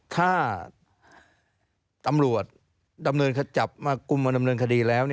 ถ้าตำรวจจับมากลุ่มดำเนินคดีแล้ว